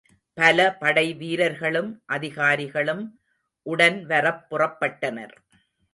பல படை வீரர்களும், அதிகாரிகளும் உடன் வரப் புறப்பட்டனர்.